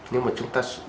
nhưng mà chúng ta